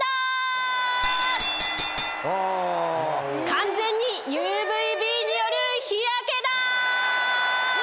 完全にＵＶーＢによる日焼けだ！